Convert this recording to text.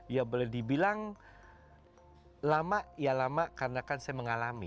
ya boleh dibilang lama ya lama karena kan saya mengalami